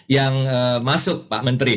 yang masuk pak menteri